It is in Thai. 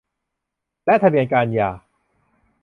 และทะเบียนการหย่า